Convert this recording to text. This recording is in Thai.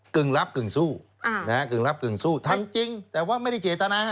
กึ่งรับกึ่งสู้ทั้งจริงแต่ว่าไม่ได้เจตนา